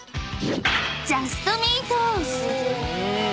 ［ジャストミート！］